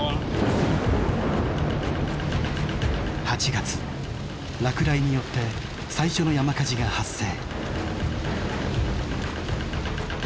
８月落雷によって最初の山火事が発生。